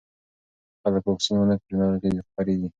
که خلک واکسین ونه کړي، ناروغي خپرېږي.